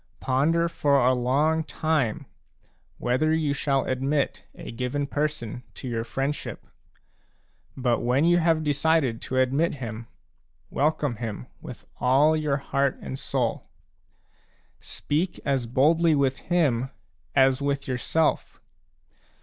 Ponder for a long time whether you shall admit a given person to your friendship ; but when you have decided to admit him, welcome him with all your heart and soul. Speak as boldly with him as with yourself.